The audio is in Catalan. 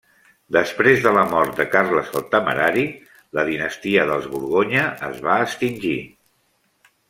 Després de la mort de Carles el Temerari, la dinastia dels Borgonya es va extingir.